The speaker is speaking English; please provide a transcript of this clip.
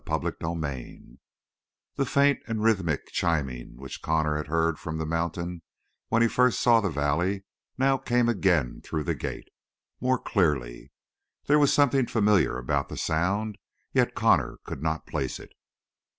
CHAPTER NINE That faint and rhythmic chiming which Connor had heard from the mountain when he first saw the valley now came again through the gate, more clearly. There was something familiar about the sound yet Connor could not place it.